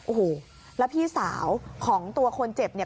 โอ้โหแล้วพี่สาวของตัวคนเจ็บเนี่ย